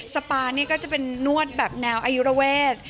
สปานี่ก็จะเป็นนวดแบบแนวอายุระเวท